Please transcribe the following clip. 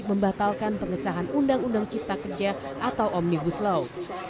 membatalkan pengesahan undang undang cipta kerja atau omnibus law